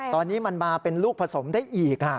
ตอนนี้มันมาเป็นลูกผสมได้อีก